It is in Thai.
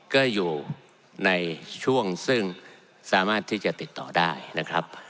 ก็อยู่ในช่วงซึ่งสามารถที่จะติดต่อได้นะครับ